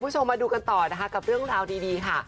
คุณผู้ชมมาดูกันต่อนะคะกับเรื่องราวดีค่ะ